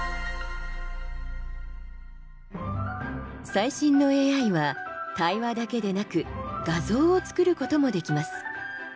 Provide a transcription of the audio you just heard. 最新のＡＩは、対話だけでなく画像を作ることもできます。